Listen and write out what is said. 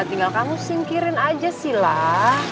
tinggal kamu singkirin aja silah